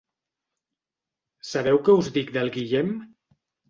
Sabeu què us dic del Guillem?